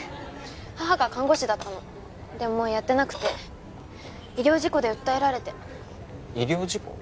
母が看護師だったのでももうやってなくて医療事故で訴えられて医療事故？